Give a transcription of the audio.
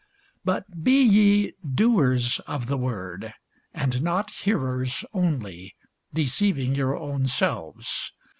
But be ye doers of the word, and not hearers only, deceiving your own selves.